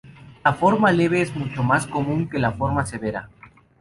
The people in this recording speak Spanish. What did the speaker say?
La forma leve es mucho más común que la forma severa.